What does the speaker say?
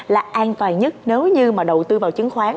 là an toàn nhất nếu như mà đầu tư vào chứng khoán